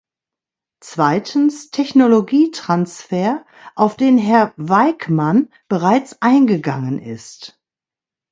Zweitens, Technologietransfer, auf den Herr Wijkman bereits eingegangen ist.